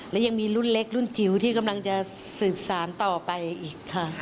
และยังมีรุ่นเล็กรุ่นจิ๋วที่กำลังจะสืบสารต่อไปอีกค่ะ